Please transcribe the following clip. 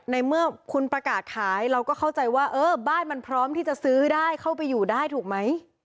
ในเมื่อคุณประกาศขายเราก็เข้าใจว่าเออบ้านมันพร้อมที่จะซื้อได้เข้าไปอยู่ได้ถูกไหม